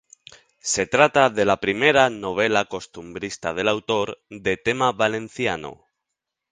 Se trata de la primera novela costumbrista del autor, de tema valenciano.